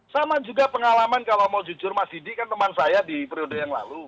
sama juga pengalaman kalau mau jujur mas didi kan teman saya di periode yang lalu